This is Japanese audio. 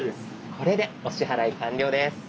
これでお支払い完了です。